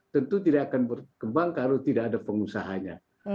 tentu tidak akan berkembang kalau tidak ada pengusahanya